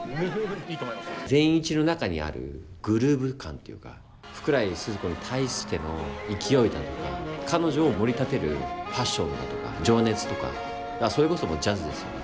善一の中にあるグルーヴ感というか福来スズ子に対しての勢いだとか彼女をもり立てるパッションだとか情熱とかそれこそジャズですよね